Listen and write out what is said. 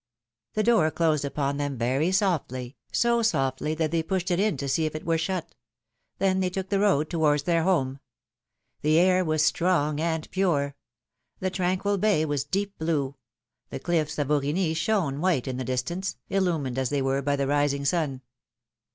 The door closed upon them very softly, so softly that they pushed it to see if it were shut ; then they took the road towards their home. The air was strong and pure ; the tranquil bay was deep blue ; the cliffs of Aurigny shone 'white in the distance, illumined as they were by the rising sun.